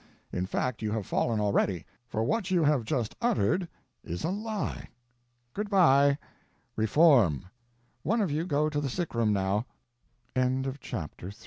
In fact, you have fallen already; for what you have just uttered is a lie. Good by. Reform! One of you go to the sick room now." CHAPTER IV Twelve days later.